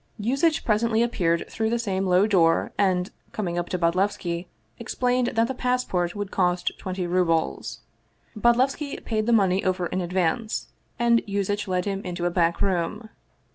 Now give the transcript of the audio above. Yuzitch presently appeared through the same low door and, coming up to Bodlevski, explained that the passport would cost twenty rubles. Bodlevski paid the money over in advance, and Yuzitch led him into a back room.